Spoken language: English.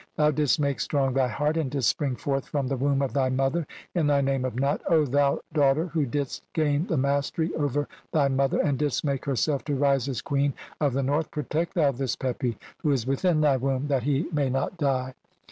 Thou didst make "strong thy heart and didst spring forth from the "womb of thy mother in thy name of Nut ; thou ".... daughter (63) who didst gain the mastery over "thy mother, and didst make herself to rise as Queen "of the North, protect thou this Pepi who is within "thy womb that he may not die."